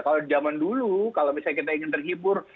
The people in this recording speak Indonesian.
kalau zaman dulu kalau misalnya kita ingin terhibur